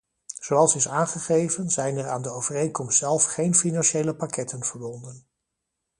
Zoals is aangegeven, zijn er aan de overeenkomst zelf geen financiële pakketten verbonden.